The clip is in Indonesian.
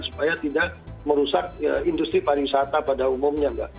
supaya tidak merusak industri pariwisata pada umumnya mbak